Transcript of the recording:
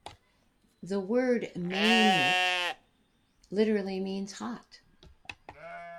The word "mainit" literally means "hot".